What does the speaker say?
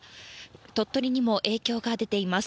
鳥取にも影響が出ています。